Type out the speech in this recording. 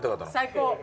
最高。